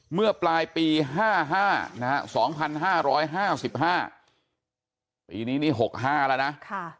เมื่อปลายปี๕๕๒๕๕๕ปีนี้นี่๖๕แล้วนะ